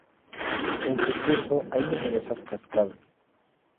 En su curso hay numerosas cascadas.